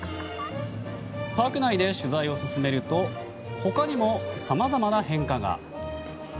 パーク内で取材を進めると他にもさまざまな変化が。